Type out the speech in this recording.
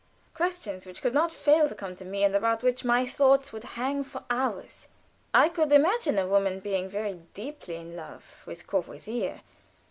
Questions which could not fail to come to me, and about which my thoughts would hang for hours. I could imagine a woman being very deeply in love with Courvoisier.